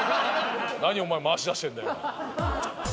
何お前回しだしてんだよ。